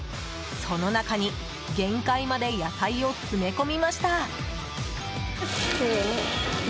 その中に、限界まで野菜を詰め込みました。